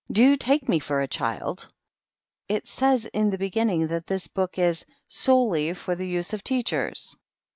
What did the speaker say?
" Do you take me for a child ? It says in the beginning that this book is ' Solely for the Use of Teachers.''